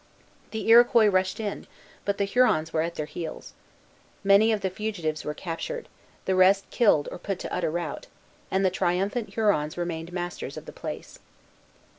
The Iroquois rushed in; but the Hurons were at their heels. Many of the fugitives were captured, the rest killed or put to utter rout, and the triumphant Hurons remained masters of the place.